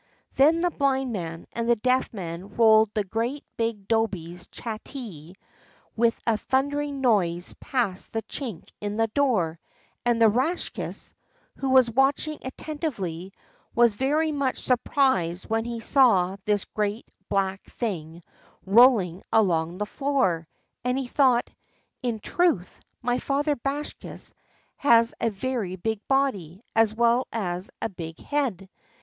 Then the Blind Man and the Deaf Man rolled the great, big Dhobee's chattee with a thundering noise past the chink in the door, and the Rakshas, who was watching attentively, was very much surprised when he saw this great black thing rolling along the floor, and he thought: "In truth, my father Bakshas has a very big body as well as a big head.